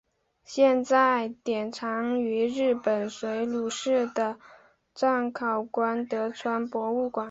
现在典藏于日本水户市的彰考馆德川博物馆。